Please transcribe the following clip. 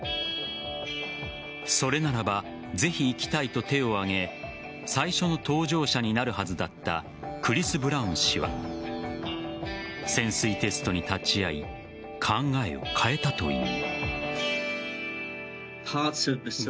それならばぜひ行きたいと手を挙げ最初の搭乗者になるはずだったクリス・ブラウン氏は潜水テストに立ち会い考えを変えたという。